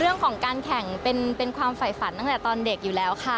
เรื่องของการแข่งเป็นความฝ่ายฝันตั้งแต่ตอนเด็กอยู่แล้วค่ะ